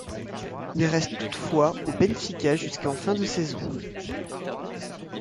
Il reste toutefois au Benfica jusqu'en fin de saison.